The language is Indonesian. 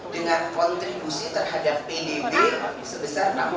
dengan kontribusi terhadap pdb sebesar enam puluh satu sembilan puluh tujuh persen